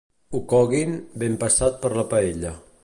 Ho coguin, ben passat per la paella.